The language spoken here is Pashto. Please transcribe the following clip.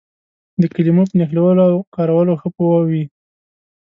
د کلمو په نښلولو او کارولو ښه پوه وي.